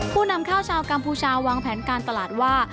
ผู้นำข้าวชาวกัมพูชาวางแผนการตลาดว่า